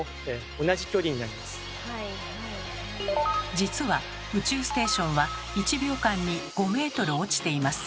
実は宇宙ステーションは１秒間に５ｍ落ちています。